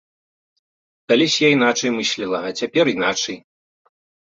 Калісь я іначай мысліла, а цяпер іначай.